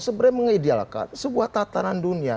sebenarnya mengidealkan sebuah tatanan dunia